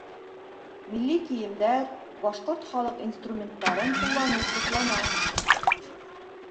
Милли кейемдәр, башҡорт халыҡ инструменттарын ҡулланыу хуплана.